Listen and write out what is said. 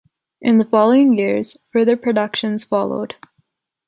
In the following years, further productions followed.